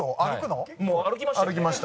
もう歩きましたよね。